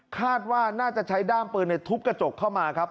คาดว่าน่าจะใช้ด้ามปืนในทุบกระจกเข้ามาครับ